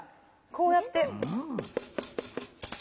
こうやって。